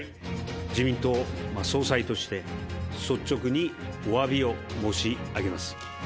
自民党総裁として、率直におわびを申し上げます。